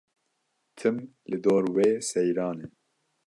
Tim li dor wê seyran e.